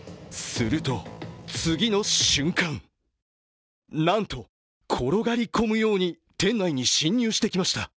すると、次の瞬間、なんと転がり込むように店内に侵入してきました。